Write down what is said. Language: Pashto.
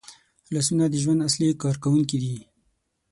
لاسونه د ژوند اصلي کارکوونکي دي